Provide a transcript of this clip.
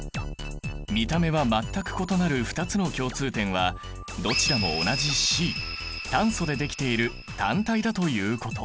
見た目は全く異なる２つの共通点はどちらも同じＣ炭素でできている単体だということ。